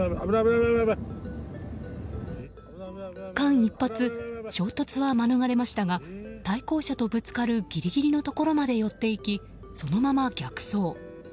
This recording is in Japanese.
間一髪、衝突は免れましたが対向車とぶつかるギリギリのところまで寄っていきそのまま逆走。